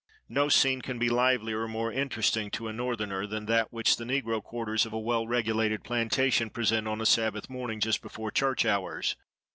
No scene can be livelier or more interesting to a Northerner, than that which the negro quarters of a well regulated plantation present on a Sabbath morning, just before church hours.